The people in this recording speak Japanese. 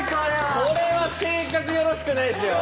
これは性格よろしくないですよ。